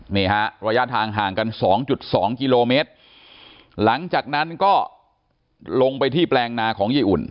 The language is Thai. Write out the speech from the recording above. เนี่ยฮะระยะทางห่างกัน๒๒กิโลเมตรหลังจากนั้นก็ลงไปที่แปลงนาของยายอุ่น